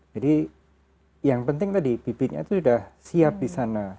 jadi yang penting tadi bibitnya itu sudah siap di sana